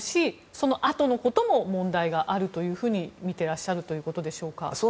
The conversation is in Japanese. そのあとのことも問題があるとみていらっしゃるということでしょうか。